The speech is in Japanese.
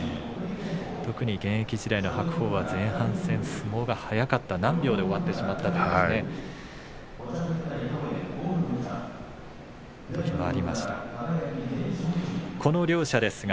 特に現役時代の白鵬は前半戦、相撲が早かった何秒で終わってしまったそういう相撲が多かったですね。